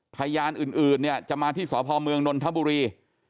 พยานอื่นเนี่ยจะมาที่สพเมืองนนทบุรี